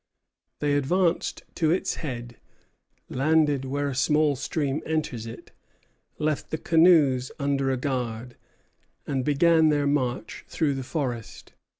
They advanced to its head, landed where a small stream enters it, left the canoes under a guard, and began their march through the forest.